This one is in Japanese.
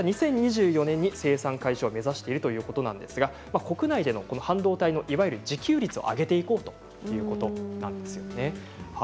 ２０２４年に生産開始を目指しているということなんですが国内での半導体のいわゆる自給率を上げていこうということなんですね。